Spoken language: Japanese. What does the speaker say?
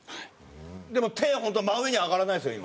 でも手本当真上に上がらないですよ今。